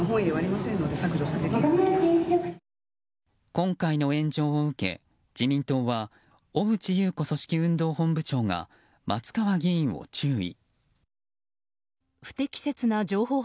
今回の炎上を受け、自民党は小渕優子組織運動本部長が松川議員を注意。